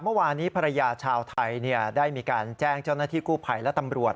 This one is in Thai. เมื่อวานนี้ภรรยาชาวไทยได้มีการแจ้งเจ้าหน้าที่กู้ภัยและตำรวจ